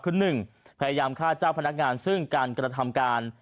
คือ๑พยายามฆ่าเจ้าพนักงานซึ่งการกระทำการ